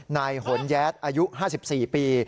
หนแย๊ดอายุ๕๔ปี